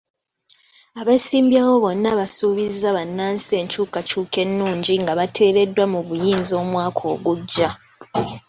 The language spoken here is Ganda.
Abeesimbyewo bonna basuubiza bannansi enkyukakyuka ennungi nga bateereddwa mu buyinza omwaka ogujja.